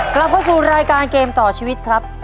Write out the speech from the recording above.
กลับเข้าสู่รายการเกมต่อชีวิตครับ